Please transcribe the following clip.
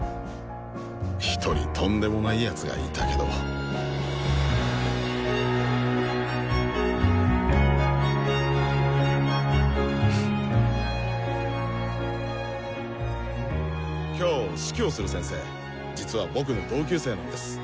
１人とんでもない奴がいたけど今日指揮をする先生実は僕の同級生なんです。